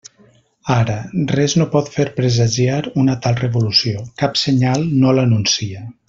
Ara, res no pot fer presagiar una tal revolució, cap senyal no l'anuncia.